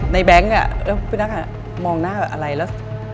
ในแบงค์พนักการมองหน้าแบบอะไรแล้ว